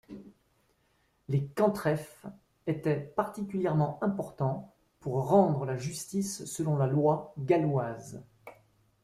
Les cantrefs étaient particulièrement importants pour rendre la justice selon la loi galloise.